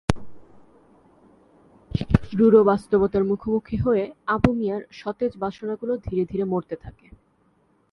রূঢ় বাস্তবতার মুখোমুখি হয়ে আবু মিয়ার সতেজ বাসনাগুলো ধীরে ধীরে মরতে থাকে।